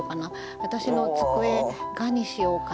「私の机が」にしようかなとか。